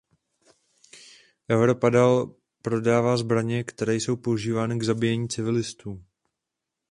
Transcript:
Evropa dál prodává zbraně, které jsou používány k zabíjení civilistů.